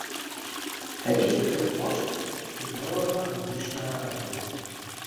Такі цяпер кошт тыднёвага музычнага адрыву.